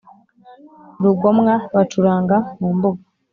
rugomwa bacuranga mu mbuga